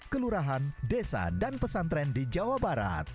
kelurahan desa dan pesantren di jawa barat